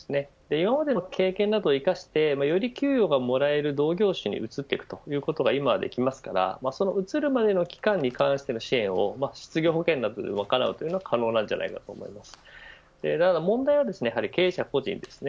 今までの経験などを生かしてより給与がもらえる同業種に移っていくということは今はできますから、その移る期間に関しての支援を失業保険などで賄うのは可能だと思います。